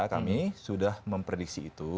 kami sudah memprediksi itu